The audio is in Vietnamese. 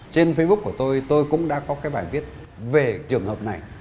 trên facebook của tôi tôi cũng đã có cái bài viết về trường hợp này